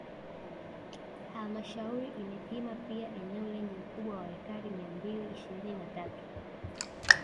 Halmashauri imepima pia eneo lenye ukubwa wa ekari mia mbili ishirini na tatu